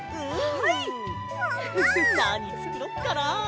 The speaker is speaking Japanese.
なにつくろっかなあ？